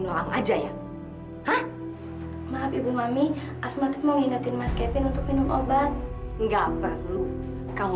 terima kasih sama mas kevin jadi